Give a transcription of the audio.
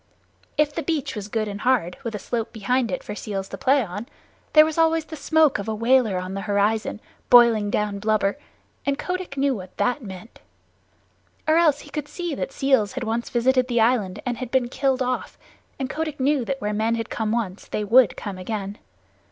If the beach was good and hard, with a slope behind it for seals to play on, there was always the smoke of a whaler on the horizon, boiling down blubber, and Kotick knew what that meant. Or else he could see that seals had once visited the island and been killed off, and Kotick knew that where men had come once they would come again.